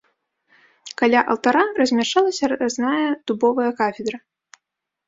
Каля алтара размяшчалася разная дубовая кафедра.